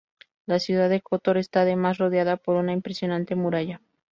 La ciudad de Kotor está, además, rodeada por una impresionante muralla.